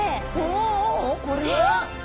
おおこれは！